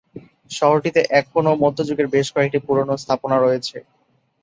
শহরটিতে এখনও মধ্যযুগের বেশ কয়েকটি পুরনো স্থাপনা রয়েছে।